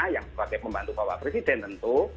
yang sebagai pembantu bapak presiden tentu